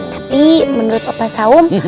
tapi menurut pak saum